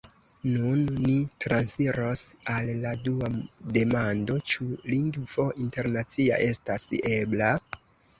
Nun ni transiros al la dua demando: « ĉu lingvo internacia estas ebla?"